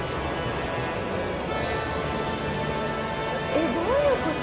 えっどういうこと？